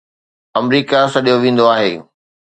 آمريڪا سڏيو ويندو آهي